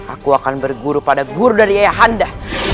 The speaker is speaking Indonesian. aku akan berguru pada guru dari ayahanda